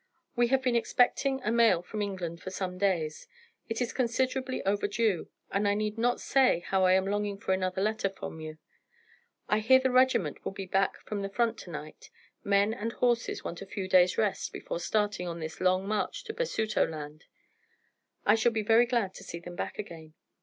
We have been expecting a mail from England for some days. It is considerably overdue, and I need not say how I am longing for another letter from you. I hear the regiment will be back from the front to night; men and horses want a few days' rest before starting on this long march to Basutoland. I shall be very glad to see them back again.